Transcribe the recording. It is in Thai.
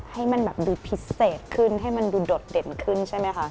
ให้มันแบบดูพิเศษขึ้นให้มันดูโดดเด่นขึ้นใช่ไหมคะ